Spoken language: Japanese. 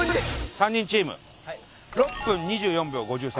３人チーム６分２４秒５３。